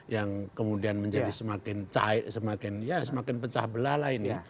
yang kemudian menjadi semakin cahit semakin ya semakin pecah belah lah ini